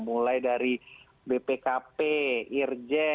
mulai dari bpkp irg